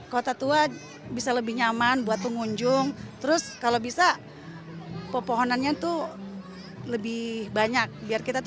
kota tua bisa lebih nyaman buat pengunjung terus kalau bisa pepohonannya tuh lebih banyak biar kita tuh